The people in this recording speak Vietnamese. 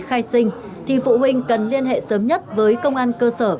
khai sinh thì phụ huynh cần liên hệ sớm nhất với công an cơ sở